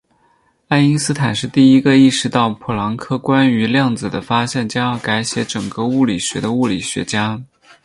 爱因斯坦是第一个意识到普朗克关于量子的发现将要改写整个物理学的物理学家。